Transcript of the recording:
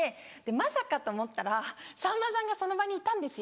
まさかと思ったらさんまさんがその場にいたんですよ。